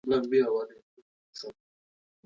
د الله نوم د هر کار برکت دی.